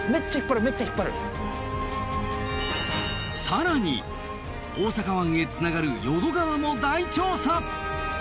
更に大阪湾へつながる淀川も大調査！